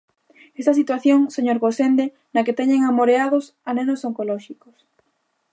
Esta situación, señor Gosende, na que teñen amoreados a nenos oncolóxicos.